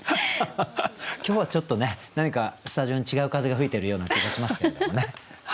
今日はちょっとね何かスタジオに違う風が吹いているような気がしますけれどもね。